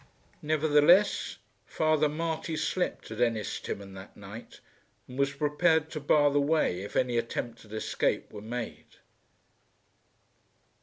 Nevertheless Father Marty slept at Ennistimon that night, and was prepared to bar the way if any attempt at escape were made.